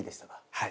はい。